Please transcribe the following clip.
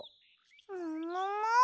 ももも？